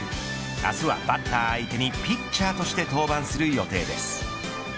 明日はバッターを相手にピッチャーとして登板する予定です。